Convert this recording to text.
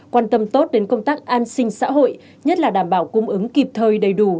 quan tâm tốt đến công tác an sinh xã hội nhất là đảm bảo cung ứng kịp thời đầy đủ